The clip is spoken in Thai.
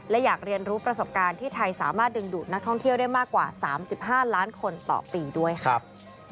และอยากเรียนรู้ประสบการณ์ที่ไทยสามารถดึงดูดนักท่องเที่ยวได้มากกว่า๓๕ล้านคนต่อปีด้วยครับ